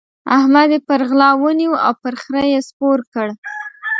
احمد يې پر غلا ونيو او پر خره يې سپور کړ.